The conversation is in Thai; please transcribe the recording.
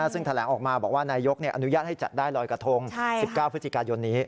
ซึ่งแถลงออกมาบอกว่านายยกเนี่ยอนุญาตให้จัดได้รอยกะทง๑๙พยนี้